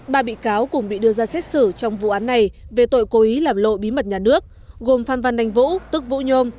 ba bị cáo cùng bị đưa ra xét xử trong vụ án này về tội cố ý làm lộ bí mật nhà nước gồm phan văn anh vũ tức vũ nhôm